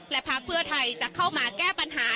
และพักเพื่อไทยจะเข้ามาแก้ปัญหา